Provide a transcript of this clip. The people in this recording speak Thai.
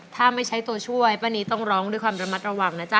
ถ้าไม่ใช้ตัวช่วยป้านีต้องร้องด้วยความระมัดระวังนะจ๊